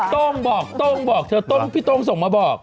ต้องบอกต้องบอกเธอต้องพี่ต้องส่งมาบอก